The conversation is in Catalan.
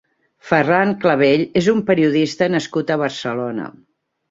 Ferran Clavell és un periodista nascut a Barcelona.